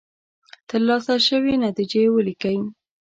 ترلاسه شوې نتیجې ولیکئ.